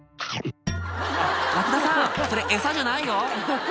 ラクダさんそれエサじゃないよ